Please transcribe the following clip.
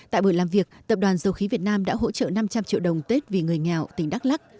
tại buổi làm việc tập đoàn dầu khí việt nam đã hỗ trợ năm trăm linh triệu đồng tết vì người nghèo tỉnh đắk lắc